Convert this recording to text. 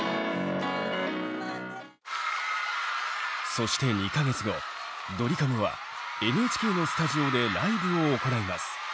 そして２か月後ドリカムはＮＨＫのスタジオでライブを行います。